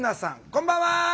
こんばんは。